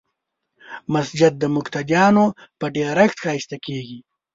مسجد د مقتدیانو په ډېرښت ښایسته کېږي.